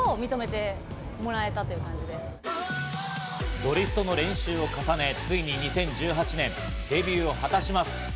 ドリフトの練習を重ね、ついに２０１８年、デビューを果たします。